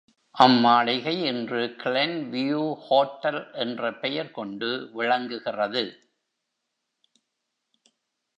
அம்மாளிகை இன்று Glenview hotel என்ற பெயர் கொண்டு விளங்குகிறது.